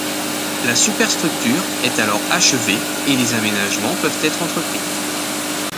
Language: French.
La superstructure est alors achevée et les aménagements peuvent être entrepris.